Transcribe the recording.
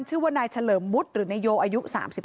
ชื่อว่านายเฉลิมวุฒิหรือนายโยอายุ๓๕